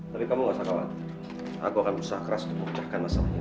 tapi kamu gak usah khawatir aku akan berusaha keras untuk melepaskan masalah ini